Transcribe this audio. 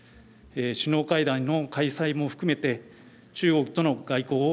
首脳会談の開催も含めて中国との外交を